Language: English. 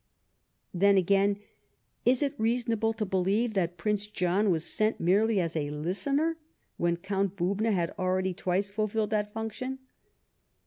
Then again, is it reasonable to believe that Prince John was sent merely as a listener, when Count Bubna had already twice fulfilled that function